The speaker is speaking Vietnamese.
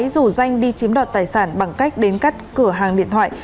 rủ danh đi chiếm đoạt tài sản bằng cách đến cắt cửa hàng điện thoại